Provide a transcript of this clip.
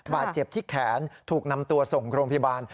บาดเจ็บที่แขนถูกนำตัวส่งโรงพยาบาล